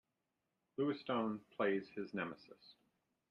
Lewis Stone plays his nemesis.